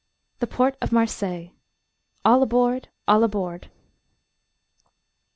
The Port of Marseilles "All aboard, all aboard!"